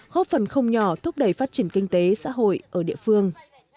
góp phần không nhỏ thúc đẩy phát triển kinh tế xã hội ở địa phương